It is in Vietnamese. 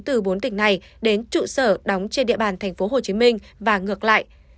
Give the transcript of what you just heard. từ bốn tỉnh này đến trụ sở đóng trên địa bàn tp hcm và ngược lại